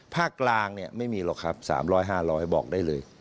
ภาคกลางไม่มีหรอกครับ๓๐๐๕๐๐บอกได้เลย